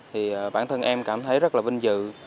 thì bản thân em cảm thấy rất là vinh dự